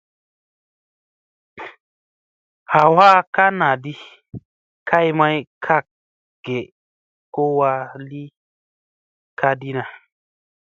Ɦawa ka naa ɗi may kak ge ko vaa li ka di na.